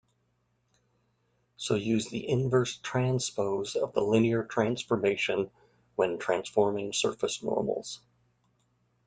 So use the inverse transpose of the linear transformation when transforming surface normals.